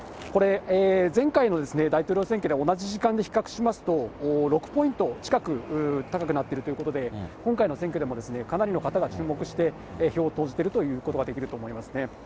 これ、前回の大統領選挙で同じ時間で比較しますと、６ポイント近く高くなっているということで、今回の選挙でもかなりの方が注目して、票を投じているということが言えると思いますね。